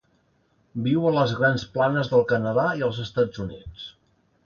Viu a les Grans Planes del Canadà i els Estats Units.